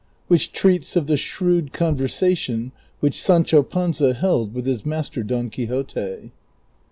WHICH TREATS OF THE SHREWD CONVERSATION WHICH SANCHO PANZO HELD WITH HIS MASTER DON QUIXOTE.